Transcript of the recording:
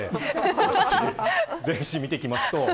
全紙、見ていきます。